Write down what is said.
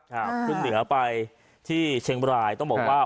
ขึ้นเหนือไปที่เชียงบรายต้องบอกว่า